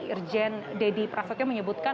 irjen dedy prasetyo menyebutkan